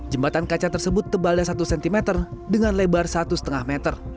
jembatan kaca tersebut tebalnya satu cm dengan lebar satu lima meter